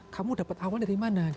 kamu dapat awal dari mana